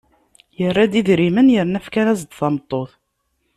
Yerra-d idrimen yerna fkan-as-d tameṭṭut.